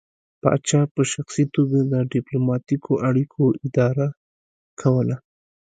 پاچا په شخصي توګه د ډیپلوماتیکو اړیکو اداره کوله